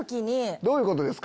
どういうことですか？